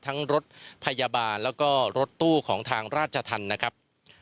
รถพยาบาลแล้วก็รถตู้ของทางราชธรรมนะครับ